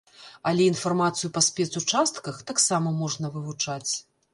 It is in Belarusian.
Але інфармацыю па спецучастках таксама можна вывучаць.